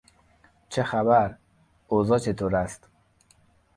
چه خبر؟ اوضاع چطور است؟